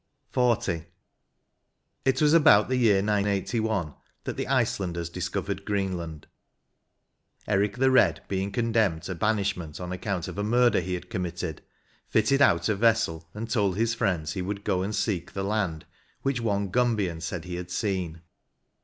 80 XL. It was about the year 981 tibat the Icelanders discovered Greenland. Eric the Bed^ being con demned to banishment on account of a murder he had committed, fitted out a vessel and told his iriends he would go and seek the land which one Gunbian said he had seen.